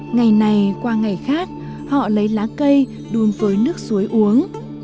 ngày này qua ngày khác họ lấy lá cây đun với nước suối uống